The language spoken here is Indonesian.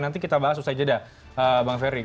nanti kita bahas usai jeda bang ferry